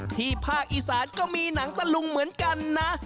ภาคอีสานก็มีหนังตะลุงเหมือนกันนะ